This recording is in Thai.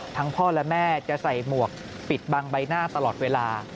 พ่อและแม่จะใส่หมวกปิดบังใบหน้าตลอดเวลา